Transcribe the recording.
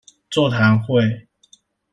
座談會